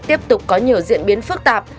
tiếp tục có nhiều diễn biến phức tạp